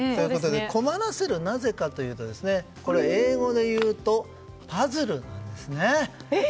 困らせる、なぜかというとこれは英語で言うとパズルなんですね。